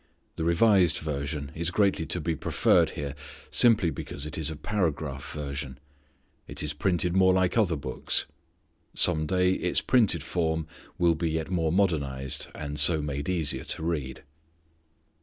The revised version is greatly to be preferred here simply because it is a paragraph version. It is printed more like other books. Some day its printed form will be yet more modernized, and so made easier to read.